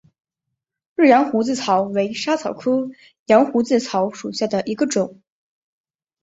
日羊胡子草为莎草科羊胡子草属下的一个种。